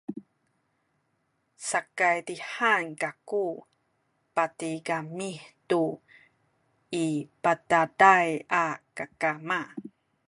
sakaydihan kaku patigami tu i bataday a kakama